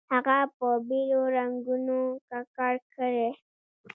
هغه په بېلو رنګونو ککړ کړئ.